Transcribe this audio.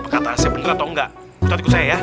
kata saya bener atau enggak ustaz ikut saya ya